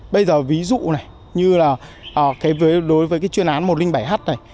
bây giờ ví dụ này như là đối với chuyên án một trăm linh bảy h này